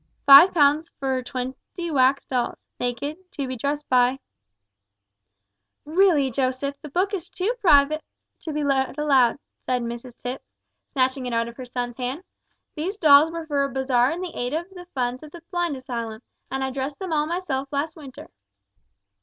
`five pounds for twenty wax dolls naked (to be dressed by )'" "Really, Joseph, the book is too private to be read aloud," said Mrs Tipps, snatching it out of her son's hand. "These dolls were for a bazaar in aid of the funds of a blind asylum, and I dressed them all myself last winter."